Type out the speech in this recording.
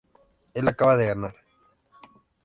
Él acaba de ganar.